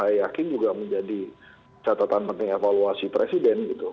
saya yakin juga menjadi catatan penting evaluasi presiden gitu